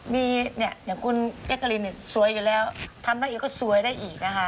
มีเนี่ยอย่างคุณแจ๊กกะลินเนี่ยสวยอยู่แล้วทำได้อีกก็สวยได้อีกนะคะ